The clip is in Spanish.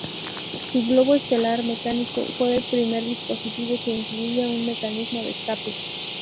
Su globo estelar mecánico fue el primer dispositivo que incluía un mecanismo de escape.